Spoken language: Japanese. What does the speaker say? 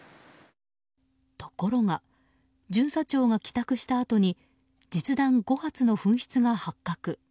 ところが巡査長が帰宅したあとに実弾５発の紛失が発覚。